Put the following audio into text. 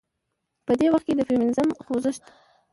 په دې وخت کې د فيمينزم خوځښت